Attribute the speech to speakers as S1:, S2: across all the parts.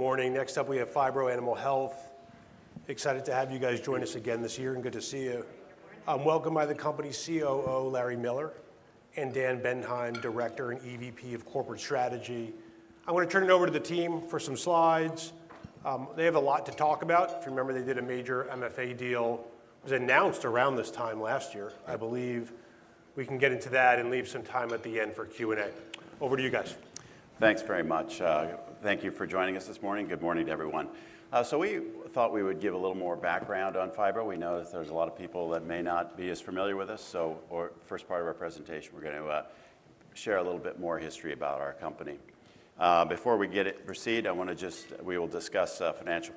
S1: Morning. Next up, we have Phibro Animal Health. Excited to have you guys join us again this year. Good to see you. Welcome by the company's COO, Larry Miller, and Dan Bendheim, Director and EVP of Corporate Strategy. I want to turn it over to the team for some slides. They have a lot to talk about. If you remember, they did a major MFA deal that was announced around this time last year. I believe we can get into that and leave some time at the end for Q&A. Over to you guys.
S2: Thanks very much. Thank you for joining us this morning. Good morning to everyone. We thought we would give a little more background on Phibro. We know that there are a lot of people that may not be as familiar with us. For the first part of our presentation, we are going to share a little bit more history about our company. Before we proceed, I want to just, we will discuss financial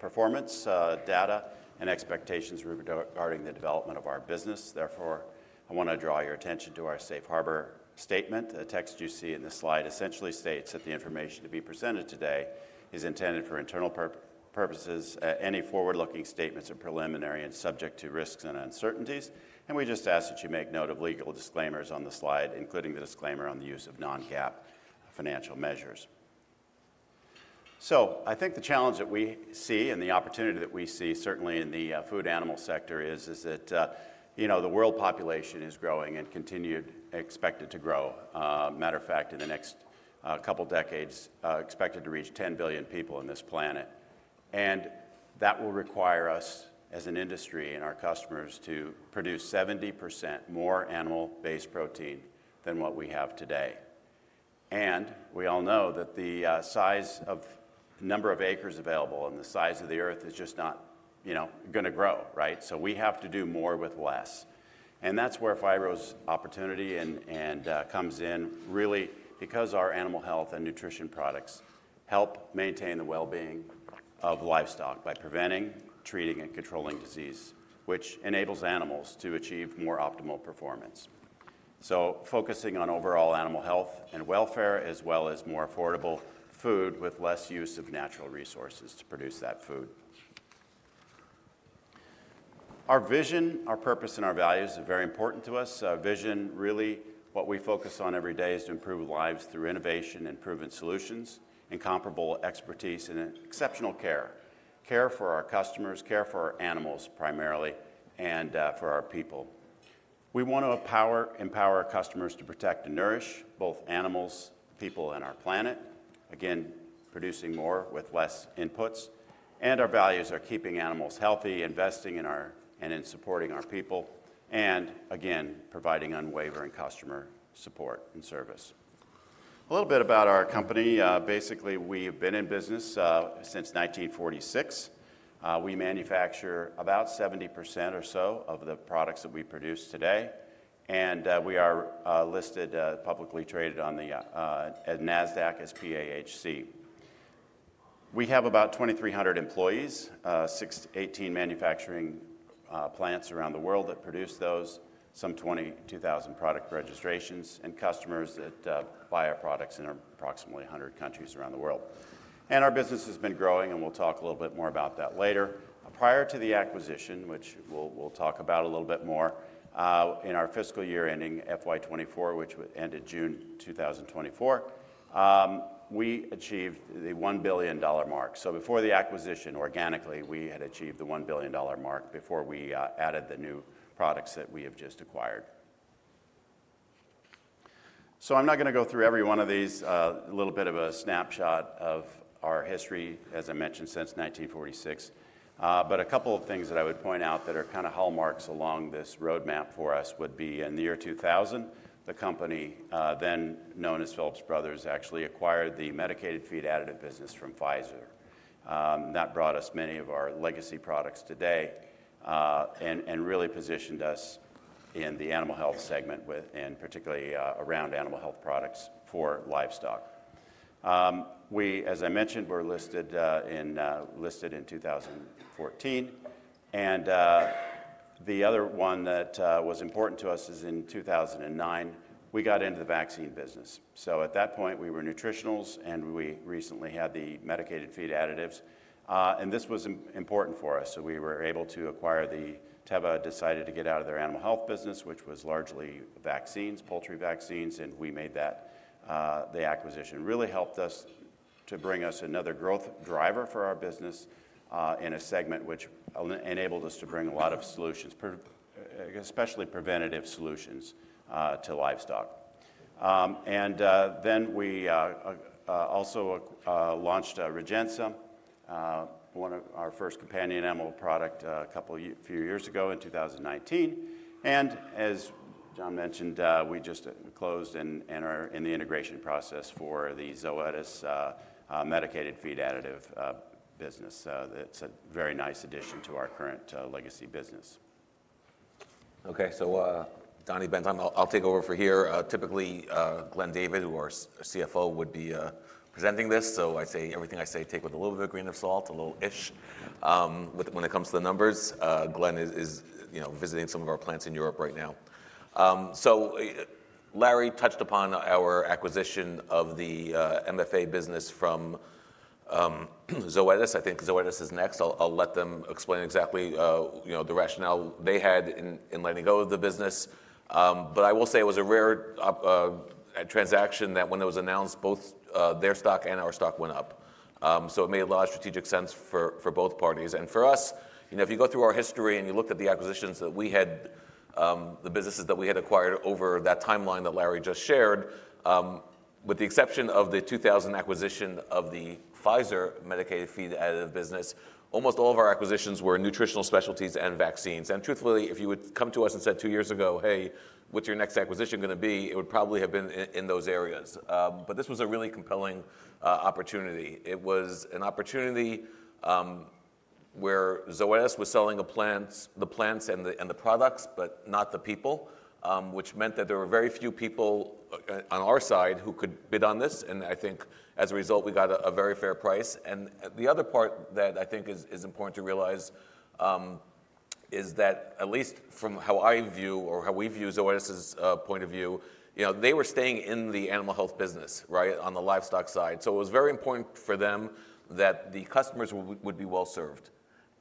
S2: performance data and expectations regarding the development of our business. Therefore, I want to draw your attention to our Safe Harbor statement. The text you see in this slide essentially states that the information to be presented today is intended for internal purposes. Any forward-looking statements are preliminary and subject to risks and uncertainties. We just ask that you make note of legal disclaimers on the slide, including the disclaimer on the use of non-GAAP financial measures. I think the challenge that we see and the opportunity that we see, certainly in the food animal sector, is that the world population is growing and continued expected to grow. Matter of fact, in the next couple of decades, expected to reach 10 billion people on this planet. That will require us as an industry and our customers to produce 70% more animal-based protein than what we have today. We all know that the size of the number of acres available and the size of the Earth is just not going to grow, right? We have to do more with less. That is where Phibro's opportunity comes in, really, because our animal health and nutrition products help maintain the well-being of livestock by preventing, treating, and controlling disease, which enables animals to achieve more optimal performance. Focusing on overall animal health and welfare, as well as more affordable food with less use of natural resources to produce that food. Our vision, our purpose, and our values are very important to us. Vision, really, what we focus on every day is to improve lives through innovation and proven solutions and comparable expertise and exceptional care. Care for our customers, care for our animals primarily, and for our people. We want to empower our customers to protect and nourish both animals, people, and our planet, again, producing more with less inputs. Our values are keeping animals healthy, investing in our and in supporting our people, and again, providing unwavering customer support and service. A little bit about our company. Basically, we've been in business since 1946. We manufacture about 70% or so of the products that we produce today. We are listed publicly traded on the NASDAQ as PAHC. We have about 2,300 employees, 18 manufacturing plants around the world that produce those, some 22,000 product registrations, and customers that buy our products in approximately 100 countries around the world. Our business has been growing, and we'll talk a little bit more about that later. Prior to the acquisition, which we'll talk about a little bit more, in our fiscal year ending FY 2024, which ended June 2024, we achieved the $1 billion mark. Before the acquisition, organically, we had achieved the $1 billion mark before we added the new products that we have just acquired. I'm not going to go through every one of these. A little bit of a snapshot of our history, as I mentioned, since 1946. A couple of things that I would point out that are kind of hallmarks along this roadmap for us would be in the year 2000, the company, then known as Phibro, actually acquired the medicated feed additive business from Pfizer. That brought us many of our legacy products today and really positioned us in the animal health segment and particularly around animal health products for livestock. We, as I mentioned, were listed in 2014. The other one that was important to us is in 2009, we got into the vaccine business. At that point, we were nutritionals, and we recently had the medicated feed additives. This was important for us. We were able to acquire the Teva decided to get out of their animal health business, which was largely vaccines, poultry vaccines, and we made that the acquisition really helped us to bring us another growth driver for our business in a segment which enabled us to bring a lot of solutions, especially preventative solutions to livestock. We also launched Rejensa, one of our first companion animal products a few years ago in 2019. As John mentioned, we just closed in the integration process for the Zoetis medicated feed additive business. It's a very nice addition to our current legacy business.
S3: Okay. Donny Bendheim, I'll take over for here. Typically, Glenn David, who our CFO, would be presenting this. I say everything I say, take with a little bit of a grain of salt, a little ish. When it comes to the numbers, Glenn is visiting some of our plants in Europe right now. Larry touched upon our acquisition of the MFA business from Zoetis. I think Zoetis is next. I'll let them explain exactly the rationale they had in letting go of the business. I will say it was a rare transaction that when it was announced, both their stock and our stock went up. It made a lot of strategic sense for both parties. For us, if you go through our history and you looked at the acquisitions that we had, the businesses that we had acquired over that timeline that Larry just shared, with the exception of the 2,000 acquisition of the Pfizer medicated feed additive business, almost all of our acquisitions were nutritional specialties and vaccines. Truthfully, if you would come to us and said two years ago, "Hey, what's your next acquisition going to be?" It would probably have been in those areas. This was a really compelling opportunity. It was an opportunity where Zoetis was selling the plants and the products, but not the people, which meant that there were very few people on our side who could bid on this. I think as a result, we got a very fair price. The other part that I think is important to realize is that at least from how I view or how we view Zoetis's point of view, they were staying in the animal health business, right, on the livestock side. It was very important for them that the customers would be well served.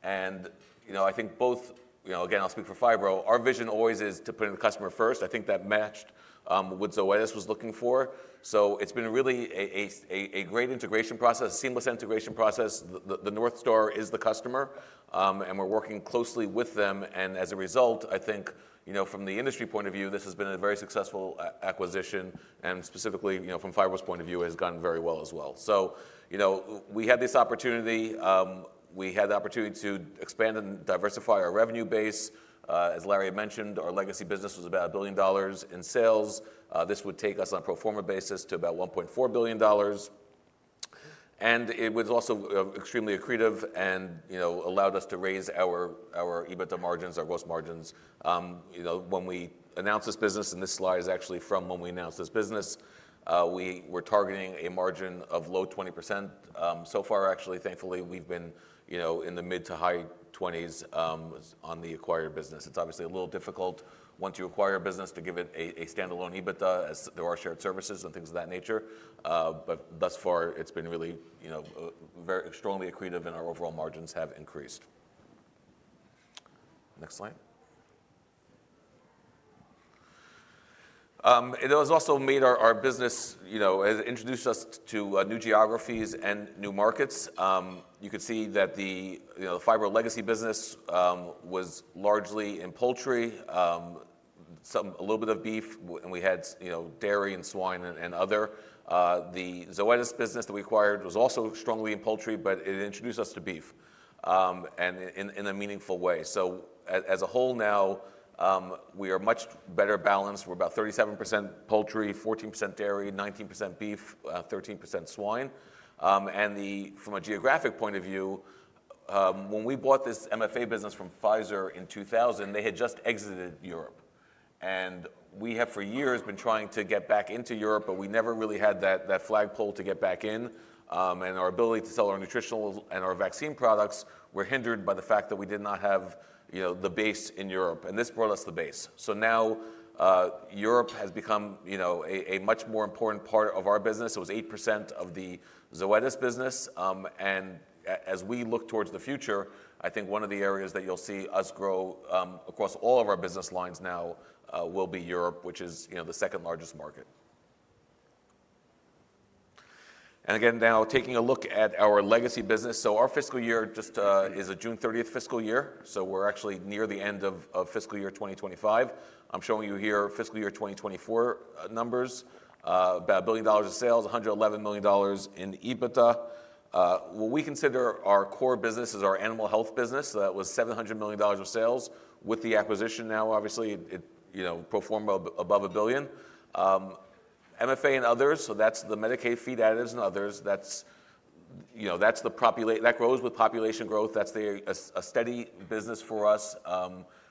S3: I think both, again, I'll speak for Phibro, our vision always is to put the customer first. I think that matched what Zoetis was looking for. It has been really a great integration process, a seamless integration process. The North Star is the customer, and we're working closely with them. As a result, I think from the industry point of view, this has been a very successful acquisition. Specifically from Phibro's point of view, it has gone very well as well. We had this opportunity. We had the opportunity to expand and diversify our revenue base. As Larry mentioned, our legacy business was about $1 billion in sales. This would take us on a pro forma basis to about $1.4 billion. It was also extremely accretive and allowed us to raise our EBITDA margins, our gross margins. When we announced this business, and this slide is actually from when we announced this business, we were targeting a margin of low 20%. So far, actually, thankfully, we've been in the mid to high 20% on the acquired business. It's obviously a little difficult once you acquire a business to give it a standalone EBITDA, as there are shared services and things of that nature. But thus far, it's been really very strongly accretive and our overall margins have increased. Next slide. It has also made our business, introduced us to new geographies and new markets. You could see that the Phibro legacy business was largely in poultry, a little bit of beef, and we had dairy and swine and other. The Zoetis business that we acquired was also strongly in poultry, but it introduced us to beef in a meaningful way. As a whole now, we are much better balanced. We're about 37% poultry, 14% dairy, 19% beef, 13% swine. From a geographic point of view, when we bought this MFA business from Pfizer in 2000, they had just exited Europe. We have for years been trying to get back into Europe, but we never really had that flagpole to get back in. Our ability to sell our nutritional and our vaccine products were hindered by the fact that we did not have the base in Europe. This brought us the base. Now Europe has become a much more important part of our business. It was 8% of the Zoetis business. As we look towards the future, I think one of the areas that you'll see us grow across all of our business lines now will be Europe, which is the second largest market. Again, now taking a look at our legacy business. Our fiscal year is a June 30th fiscal year. We are actually near the end of fiscal year 2025. I am showing you here fiscal year 2024 numbers, about $1 billion in sales, $111 million in EBITDA. What we consider our core business is our animal health business. That was $700 million of sales with the acquisition. Now, obviously, it pro forma above a billion. MFA and others, so that is the medicated feed additives and others. That is the population that grows with population growth. That is a steady business for us.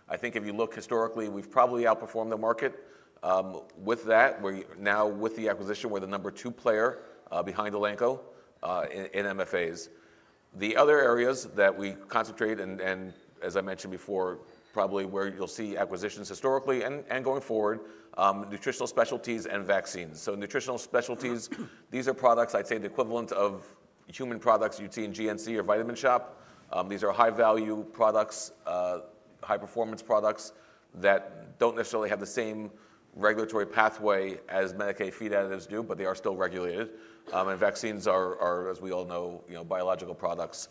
S3: I think if you look historically, we have probably outperformed the market with that. Now, with the acquisition, we are the number two player behind Elanco in MFAs. The other areas that we concentrate, and as I mentioned before, probably where you'll see acquisitions historically and going forward, nutritional specialties and vaccines. Nutritional specialties, these are products, I'd say, the equivalent of human products you'd see in GNC or Vitamin Shop. These are high-value products, high-performance products that don't necessarily have the same regulatory pathway as medicated feed additives do, but they are still regulated. Vaccines are, as we all know, biological products.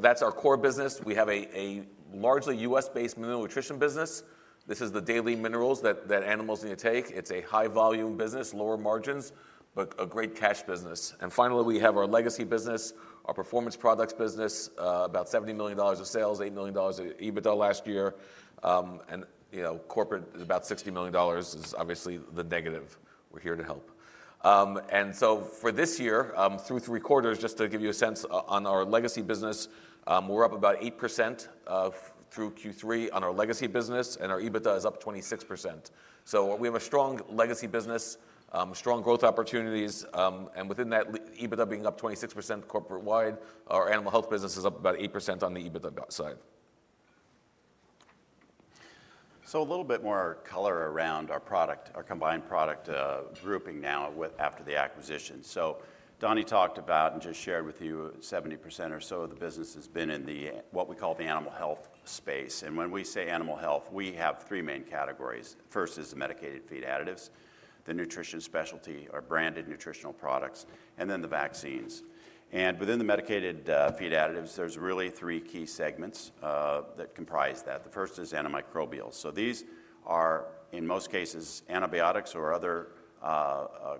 S3: That's our core business. We have a largely U.S.-based mineral nutrition business. This is the daily minerals that animals need to take. It's a high-volume business, lower margins, but a great cash business. Finally, we have our legacy business, our performance products business, about $70 million of sales, $8 million of EBITDA last year. Corporate, about $60 million is obviously the negative. We're here to help. For this year, through three quarters, just to give you a sense on our legacy business, we're up about 8% through Q3 on our legacy business, and our EBITDA is up 26%. We have a strong legacy business, strong growth opportunities. Within that, EBITDA being up 26% corporate-wide, our animal health business is up about 8% on the EBITDA side.
S2: A little bit more color around our product, our combined product grouping now after the acquisition. Donny talked about and just shared with you 70% or so of the business has been in what we call the animal health space. When we say animal health, we have three main categories. First is the medicated feed additives, the nutrition specialty, our branded nutritional products, and then the vaccines. Within the medicated feed additives, there's really three key segments that comprise that. The first is antimicrobials. These are, in most cases, antibiotics or other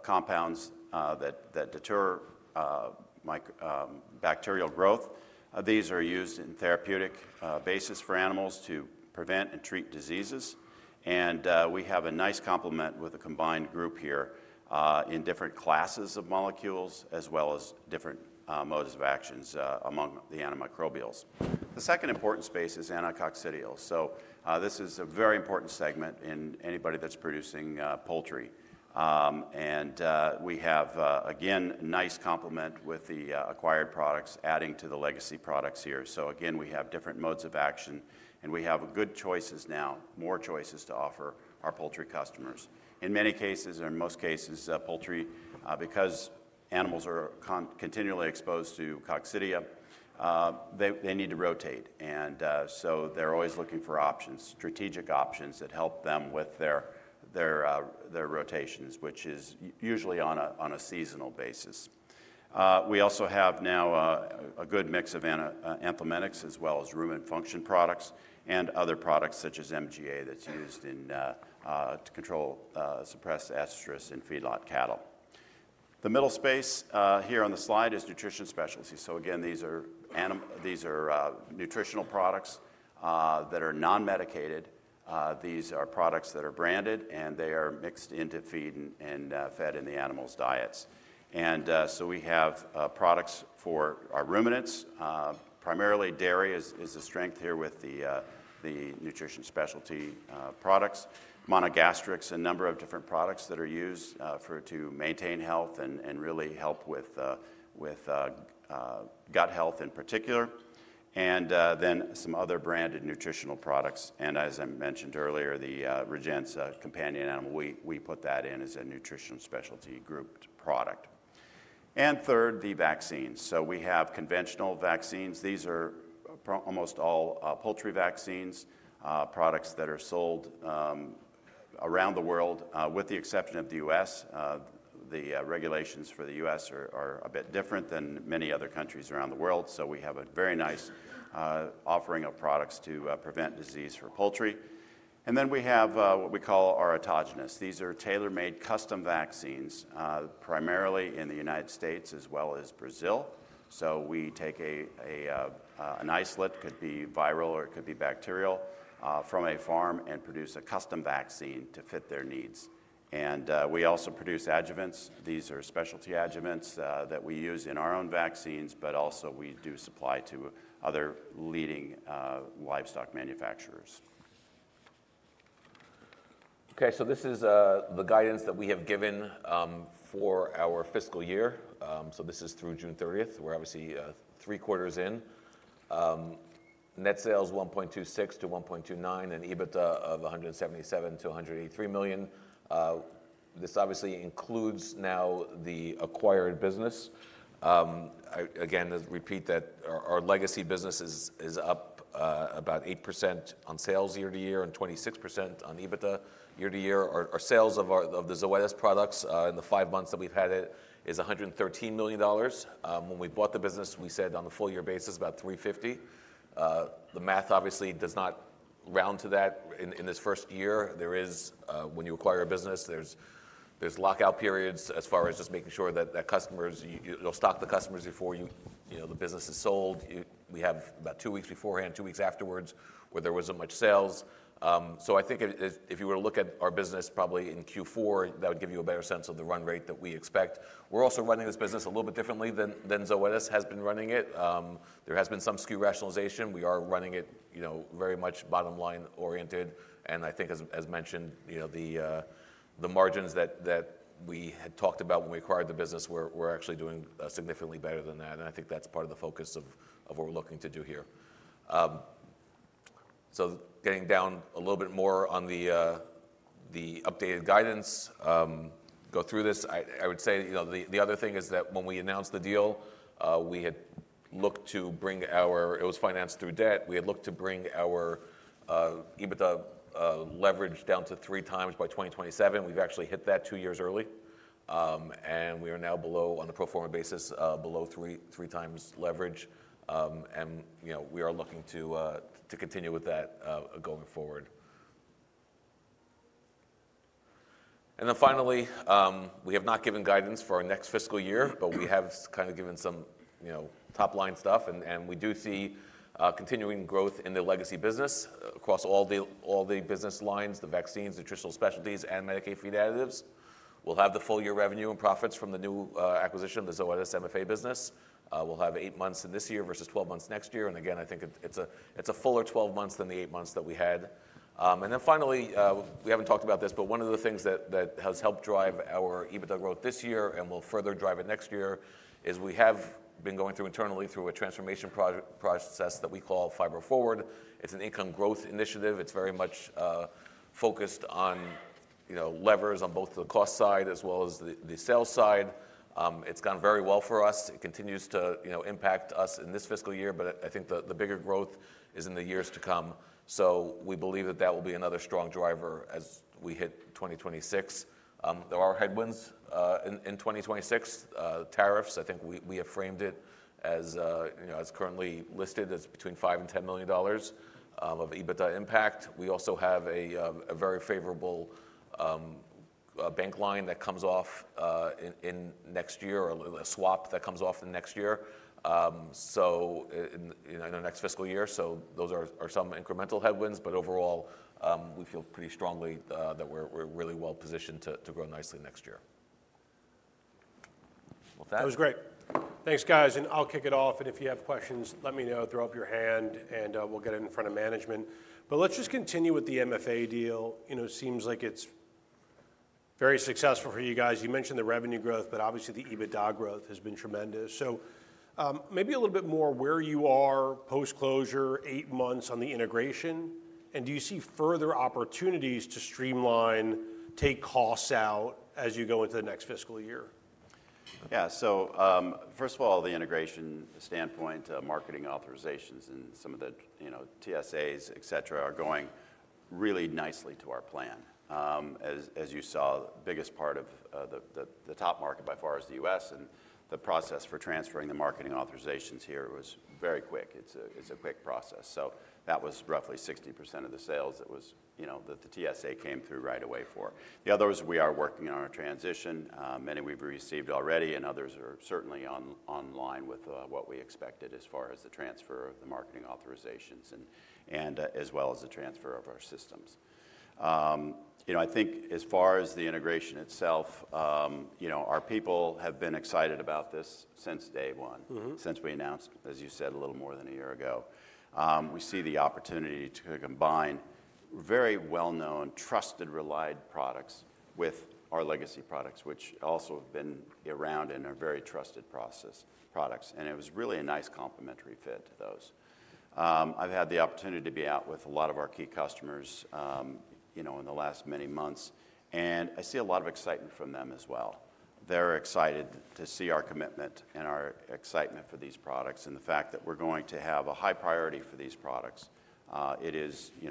S2: compounds that deter bacterial growth. These are used in therapeutic basis for animals to prevent and treat diseases. We have a nice complement with a combined group here in different classes of molecules, as well as different modes of actions among the antimicrobials. The second important space is anti-coccidial. This is a very important segment in anybody that's producing poultry. We have, again, a nice complement with the acquired products adding to the legacy products here. We have different modes of action, and we have good choices now, more choices to offer our poultry customers. In many cases, or in most cases, poultry, because animals are continually exposed to coccidia, they need to rotate. They're always looking for options, strategic options that help them with their rotations, which is usually on a seasonal basis. We also have now a good mix of ionophores as well as rumen function products and other products such as MGA that's used to control, suppress estrus in feedlot cattle. The middle space here on the slide is nutrition specialty. These are nutritional products that are non-medicated. These are products that are branded, and they are mixed into feed and fed in the animals' diets. We have products for our ruminants. Primarily, dairy is the strength here with the nutrition specialty products. Monogastrics, a number of different products that are used to maintain health and really help with gut health in particular. And then some other branded nutritional products. As I mentioned earlier, the Rejensa companion animal, we put that in as a nutritional specialty grouped product. Third, the vaccines. We have conventional vaccines. These are almost all poultry vaccines, products that are sold around the world with the exception of the U.S. The regulations for the U.S. are a bit different than many other countries around the world. We have a very nice offering of products to prevent disease for poultry. We have what we call our autogenous. These are tailor-made custom vaccines, primarily in the United States as well as Brazil. We take an isolate, could be viral or it could be bacterial, from a farm and produce a custom vaccine to fit their needs. We also produce adjuvants. These are specialty adjuvants that we use in our own vaccines, but also we do supply to other leading livestock manufacturers.
S3: Okay. This is the guidance that we have given for our fiscal year. This is through June 30. We're obviously three quarters in. Net sales $1.26 billion-$1.29 billion and EBITDA of $177 million-$183 million. This obviously includes now the acquired business. Again, I repeat that our legacy business is up about 8% on sales year to year and 26% on EBITDA year-to-year. Our sales of the Zoetis products in the five months that we've had it is $113 million. When we bought the business, we said on a full year basis, about $350 million. The math obviously does not round to that in this first year. There is, when you acquire a business, there's lockout periods as far as just making sure that customers, you'll stock the customers before the business is sold. We have about two weeks beforehand, two weeks afterwards, where there wasn't much sales. I think if you were to look at our business probably in Q4, that would give you a better sense of the run rate that we expect. We're also running this business a little bit differently than Zoetis has been running it. There has been some skew rationalization. We are running it very much bottom-line oriented. I think, as mentioned, the margins that we had talked about when we acquired the business, we're actually doing significantly better than that. I think that's part of the focus of what we're looking to do here. Getting down a little bit more on the updated guidance, go through this. I would say the other thing is that when we announced the deal, we had looked to bring our, it was financed through debt. We had looked to bring our EBITDA leverage down to three times by 2027. We've actually hit that two years early. We are now below on a pro forma basis, below three times leverage. We are looking to continue with that going forward. Finally, we have not given guidance for our next fiscal year, but we have kind of given some top-line stuff. We do see continuing growth in the legacy business across all the business lines, the vaccines, nutritional specialties, and medicated feed additives. We'll have the full year revenue and profits from the new acquisition, the Zoetis MFA business. We'll have eight months in this year versus 12 months next year. I think it's a fuller 12 months than the eight months that we had. Finally, we haven't talked about this, but one of the things that has helped drive our EBITDA growth this year and will further drive it next year is we have been going through internally through a transformation process that we call Phibro Forward. It's an income growth initiative. It's very much focused on levers on both the cost side as well as the sales side. It's gone very well for us. It continues to impact us in this fiscal year, but I think the bigger growth is in the years to come. We believe that that will be another strong driver as we hit 2026. There are headwinds in 2026. Tariffs, I think we have framed it as currently listed as between $5 million and $10 million of EBITDA impact. We also have a very favorable bank line that comes off in next year, a swap that comes off in next year, so in the next fiscal year. Those are some incremental headwinds, but overall, we feel pretty strongly that we're really well positioned to grow nicely next year.
S1: That was great. Thanks, guys. I'll kick it off. If you have questions, let me know, throw up your hand, and we'll get it in front of management. Let's just continue with the MFA deal. Seems like it's very successful for you guys. You mentioned the revenue growth, but obviously the EBITDA growth has been tremendous. Maybe a little bit more where you are post-closure, eight months on the integration. Do you see further opportunities to streamline, take costs out as you go into the next fiscal year?
S2: Yeah. First of all, the integration, the standpoint, marketing authorizations, and some of the TSAs, et cetera, are going really nicely to our plan. As you saw, the biggest part of the top market by far is the U.S. The process for transferring the marketing authorizations here was very quick. It's a quick process. That was roughly 60% of the sales that the TSA came through right away for. The others, we are working on our transition. Many we've received already, and others are certainly on line with what we expected as far as the transfer of the marketing authorizations and as well as the transfer of our systems. I think as far as the integration itself, our people have been excited about this since day one, since we announced, as you said, a little more than a year ago. We see the opportunity to combine very well-known, trusted, relied products with our legacy products, which also have been around in a very trusted process, products. It was really a nice complementary fit to those. I've had the opportunity to be out with a lot of our key customers in the last many months, and I see a lot of excitement from them as well. They're excited to see our commitment and our excitement for these products and the fact that we're going to have a high priority for these products. It is a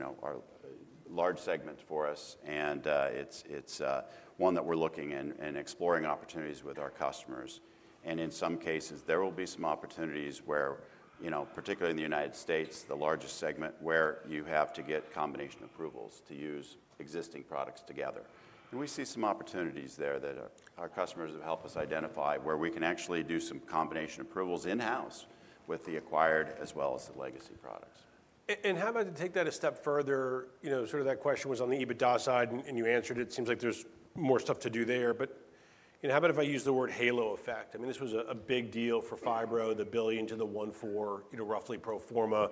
S2: large segment for us, and it's one that we're looking and exploring opportunities with our customers. In some cases, there will be some opportunities where, particularly in the United States, the largest segment where you have to get combination approvals to use existing products together. We see some opportunities there that our customers have helped us identify where we can actually do some combination approvals in-house with the acquired as well as the legacy products.
S1: How about to take that a step further? Sort of that question was on the EBITDA side, and you answered it. It seems like there's more stuff to do there. How about if I use the word halo effect? I mean, this was a big deal for Phibro, the billion to the one four, roughly pro forma.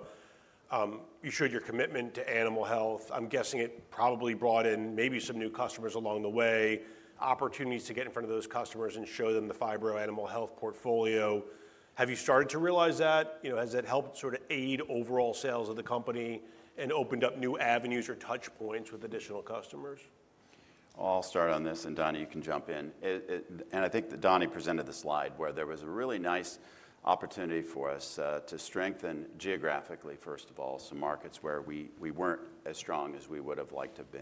S1: You showed your commitment to animal health. I'm guessing it probably brought in maybe some new customers along the way, opportunities to get in front of those customers and show them the Phibro Animal Health portfolio. Have you started to realize that? Has it helped sort of aid overall sales of the company and opened up new avenues or touchpoints with additional customers?
S3: I'll start on this, and Donny, you can jump in. I think that Donny presented the slide where there was a really nice opportunity for us to strengthen geographically, first of all, some markets where we weren't as strong as we would have liked to be,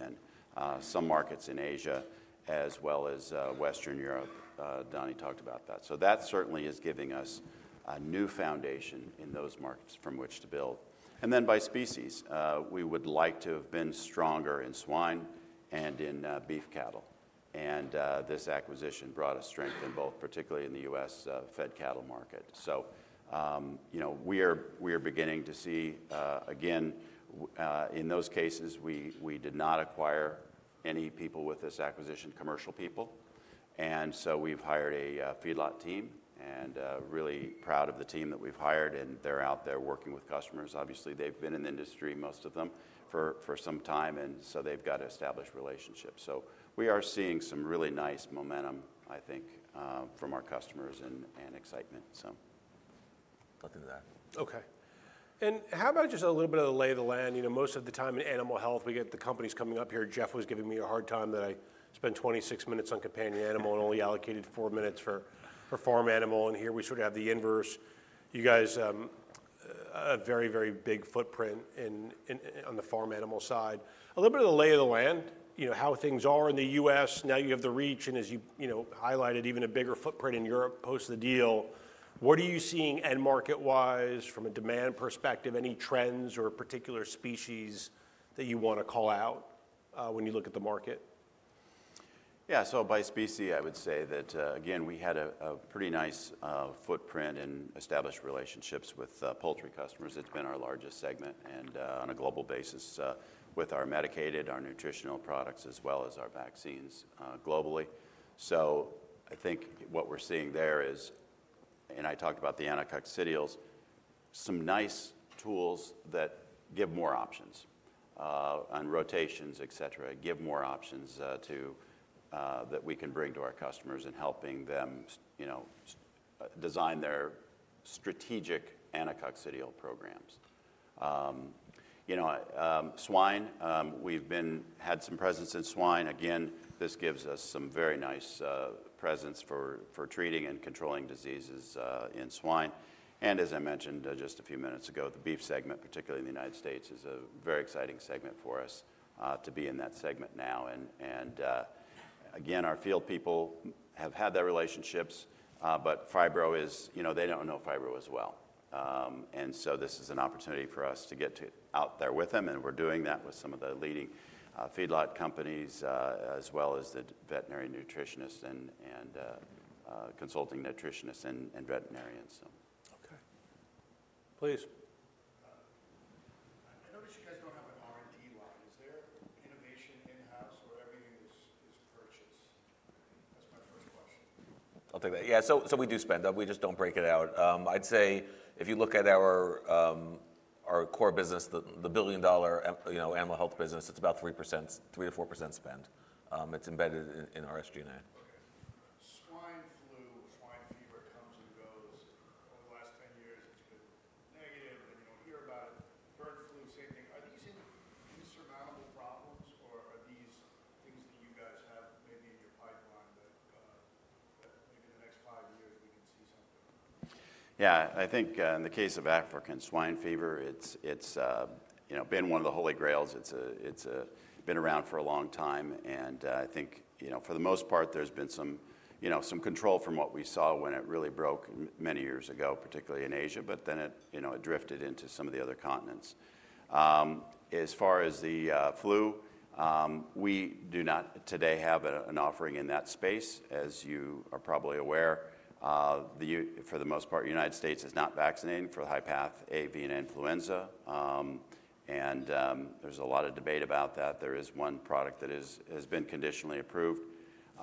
S3: some markets in Asia as well as Western Europe. Donny talked about that. That certainly is giving us a new foundation in those markets from which to build. By species, we would like to have been stronger in swine and in beef cattle. This acquisition brought us strength in both, particularly in the U.S. fed cattle market. We are beginning to see, again, in those cases, we did not acquire any people with this acquisition, commercial people. We have hired a feedlot team and are really proud of the team that we've hired. They are out there working with customers. Obviously, they have been in the industry, most of them, for some time, and they have got an established relationship. We are seeing some really nice momentum, I think, from our customers and excitement. Nothing to that.
S4: Okay. How about just a little bit of the lay of the land? Most of the time in animal health, we get the companies coming up here. Jeff was giving me a hard time that I spent 26 minutes on companion animal and only allocated four minutes for farm animal. Here we sort of have the inverse. You guys have a very, very big footprint on the farm animal side. A little bit of the lay of the land, how things are in the U.S. Now you have the reach, and as you highlighted, even a bigger footprint in Europe post the deal. What are you seeing end market-wise from a demand perspective? Any trends or particular species that you want to call out when you look at the market?
S2: Yeah. By species, I would say that, again, we had a pretty nice footprint and established relationships with poultry customers. It's been our largest segment on a global basis with our medicated, our nutritional products, as well as our vaccines globally. I think what we're seeing there is, and I talked about the anti-coccidials, some nice tools that give more options on rotations, et cetera, give more options that we can bring to our customers and helping them design their strategic anti-coccidial programs. Swine, we've had some presence in swine. Again, this gives us some very nice presence for treating and controlling diseases in swine. As I mentioned just a few minutes ago, the beef segment, particularly in the United States, is a very exciting segment for us to be in that segment now. Again, our field people have had their relationships, but Phibro is, they do not know Phibro as well. This is an opportunity for us to get out there with them. We are doing that with some of the leading feedlot companies as well as the veterinary nutritionists and consulting nutritionists and veterinarians.
S1: Okay.
S2: Please. Yeah. I think in the case of African swine fever, it's been one of the holy grails. It's been around for a long time. I think for the most part, there's been some control from what we saw when it really broke many years ago, particularly in Asia, but then it drifted into some of the other continents. As far as the flu, we do not today have an offering in that space. As you are probably aware, for the most part, the United States. is not vaccinating for high-path avian influenza. There is a lot of debate about that. There is one product that has been conditionally approved.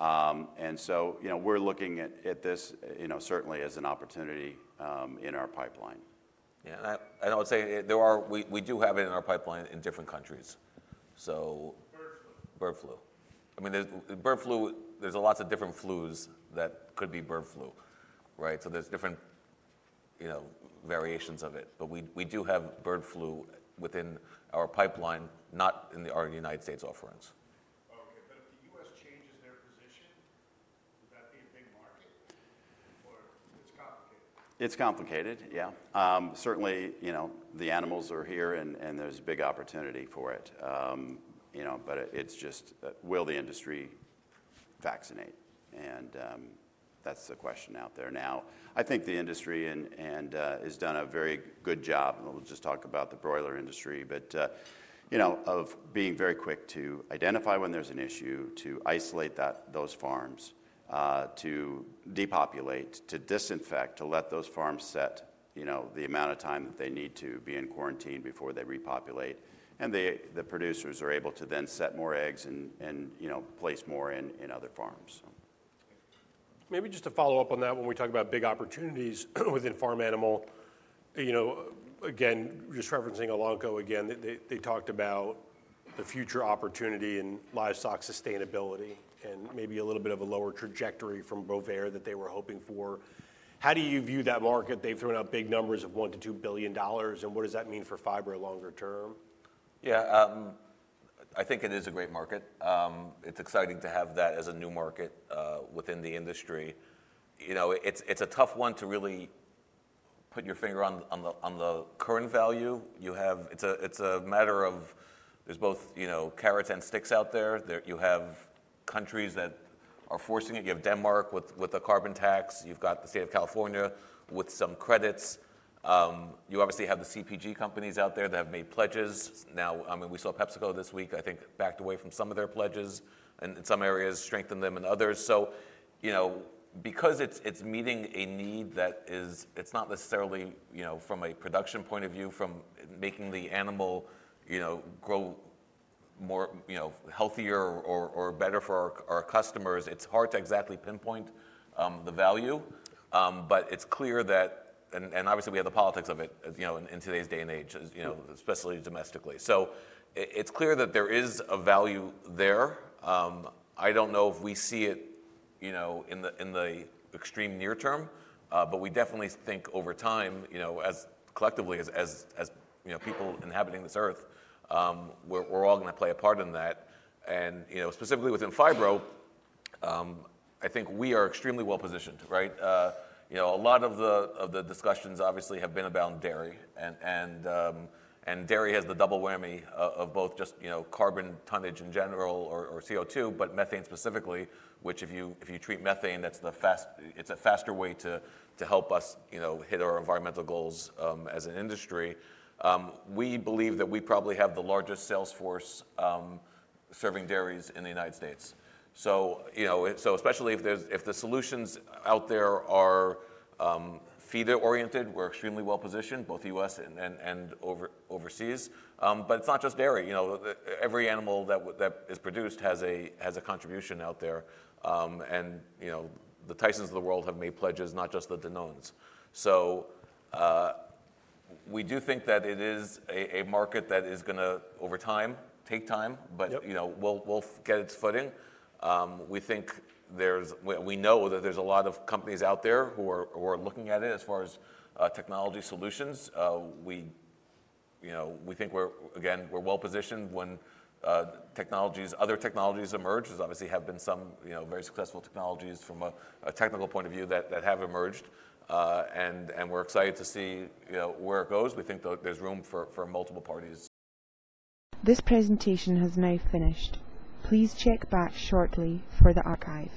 S2: We are looking at this certainly as an opportunity in our pipeline.
S3: Yeah. I would say there are, we do have it in our pipeline in different countries. Bird flu, I mean, bird flu, there are lots of different flus that could be bird flu, right? There are different variations of it. We do have bird flu within our pipeline, not in our United States offerings.
S1: Okay. If the U.S. changes their position, that'd be a big market or it's complicated?
S2: It's complicated, yeah. Certainly, the animals are here, and there's a big opportunity for it. It's just, will the industry vaccinate? That's the question out there now. I think the industry has done a very good job. I'll just talk about the broiler industry, of being very quick to identify when there's an issue, to isolate those farms, to depopulate, to disinfect, to let those farms set the amount of time that they need to be in quarantine before they repopulate. The producers are able to then set more eggs and place more in other farms.
S1: Maybe just to follow up on that, when we talk about big opportunities within farm animal, again, just referencing Elanco again, they talked about the future opportunity in livestock sustainability and maybe a little bit of a lower trajectory from Bovaer that they were hoping for. How do you view that market? They've thrown out big numbers of $1 billion to $2 billion. And what does that mean for Phibro longer term?
S3: Yeah. I think it is a great market. It's exciting to have that as a new market within the industry. It's a tough one to really put your finger on the current value. It's a matter of there's both carrot and sticks out there. You have countries that are forcing it. You have Denmark with the carbon tax. You've got the state of California with some credits. You obviously have the CPG companies out there that have made pledges. Now, I mean, we saw PepsiCo this week, I think, backed away from some of their pledges and in some areas strengthened them in others. Because it's meeting a need that is, it's not necessarily from a production point of view, from making the animal grow healthier or better for our customers, it's hard to exactly pinpoint the value. It is clear that, and obviously we have the politics of it in today's day and age, especially domestically. It is clear that there is a value there. I do not know if we see it in the extreme near term, but we definitely think over time, as collectively, as people inhabiting this earth, we are all going to play a part in that. Specifically within Phibro, I think we are extremely well positioned, right? A lot of the discussions obviously have been about dairy. Dairy has the double whammy of both just carbon tonnage in general or CO2, but methane specifically, which if you treat methane, it is a faster way to help us hit our environmental goals as an industry. We believe that we probably have the largest sales force serving dairies in the United States. Especially if the solutions out there are feeder-oriented, we're extremely well positioned, both U.S. and overseas. It is not just dairy. Every animal that is produced has a contribution out there. The Tysons of the world have made pledges, not just the Danones. We do think that it is a market that is going to, over time, take time, but will get its footing. We know that there are a lot of companies out there who are looking at it as far as technology solutions. We think, again, we're well positioned when other technologies emerge. There obviously have been some very successful technologies from a technical point of view that have emerged. We are excited to see where it goes. We think there is room for multiple parties.
S4: This presentation has now finished. Please check back shortly for the archives.